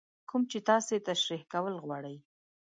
کوم چې تاسې تشرېح کول غواړئ.